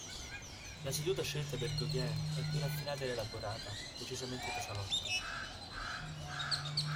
La seduta scelta per Gauguin è più raffinata ed elaborata, decisamente da salotto.